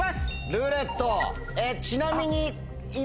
「ルーレット」。